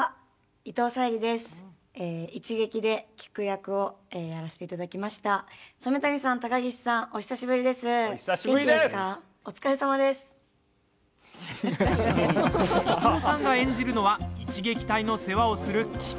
伊藤さんが演じるのは一撃隊の世話をするキク。